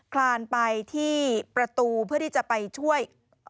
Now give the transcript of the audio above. คลานไปที่ประตูเพื่อที่จะไปช่วย